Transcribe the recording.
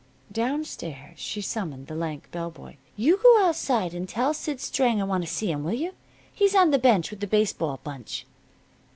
Down stairs she summoned the lank bell boy. "You go outside and tell Sid Strang I want to see him, will you? He's on the bench with the baseball bunch."